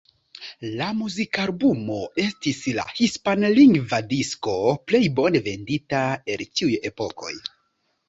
La muzikalbumo estis la hispanlingva disko plej bone vendita el ĉiuj epokoj.